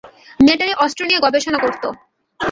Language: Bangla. মিলিটারি অস্ত্র নিয়ে গবেষণা করত।